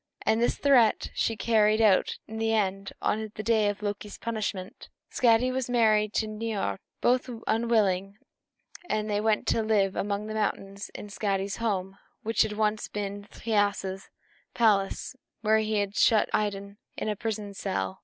And this threat she carried out in the end, on the day of Loki's punishment. Skadi was married to old Niörd, both unwilling; and they went to live among the mountains in Skadi's home, which had once been Thiasse's palace, where he had shut Idun in a prison cell.